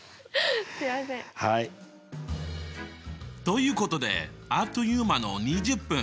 ということであっという間の２０分。